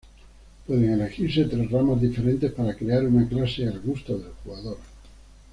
Pueden elegirse tres ramas diferentes para crear una clase al gusto del jugador.